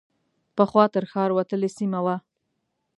پخوا تر ښار وتلې سیمه وه.